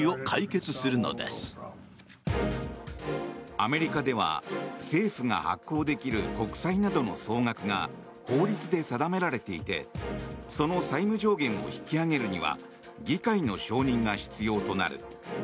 アメリカでは政府が発行できる国債などの総額が法律で定められていてその債務上限を引き上げるには議会の承認が必要となる。